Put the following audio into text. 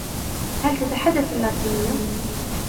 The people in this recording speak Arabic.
هل تتحدث اللاتينية ؟